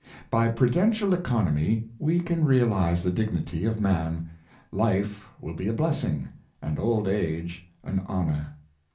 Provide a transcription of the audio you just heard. By pru dential economy, we can realize the dignity of man; life will be a blessing, and old age an honor.